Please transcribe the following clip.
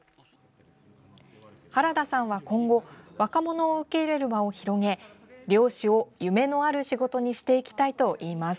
原田さんは今後若者を受け入れる場を広げ猟師を夢のある仕事にしていきたいといいます。